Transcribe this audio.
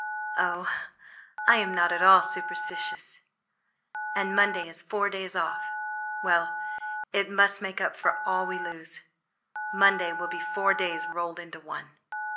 "Oh, I am not at all superstitious." "And Monday is four days off; well, it must make up for all we lose. Monday will be four days rolled into one."